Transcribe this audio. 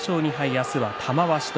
明日は玉鷲と。